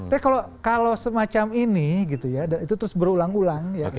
tapi kalau semacam ini itu terus berulang ulang